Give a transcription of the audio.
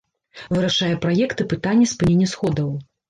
Вырашае праект і пытанне спынення сходаў.